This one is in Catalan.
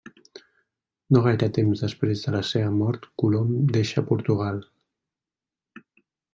No gaire temps després de la seva mort Colom deixa Portugal.